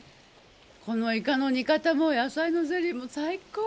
このイカの煮方も野菜のゼリーも最高！